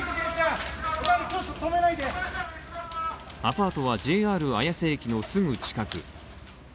アパートはＪＲ綾瀬駅のすぐ近く。